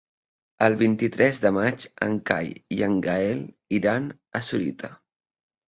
El vint-i-tres de maig en Cai i en Gaël iran a Sorita.